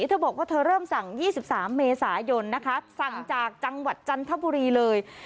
เธอบอกว่าเธอเริ่มสั่ง๒๓เมษายนนะคะสั่งจากจังหวัดจันทบุรีเลย